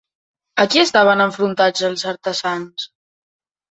A qui estaven enfrontats els artesans?